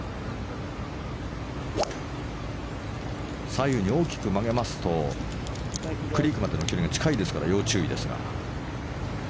左右に大きく曲げますとクリークまでの距離が近いですから要注意ですが。